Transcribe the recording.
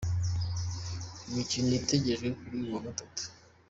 Imikino itegerejwe kuri uyu wa gatatu.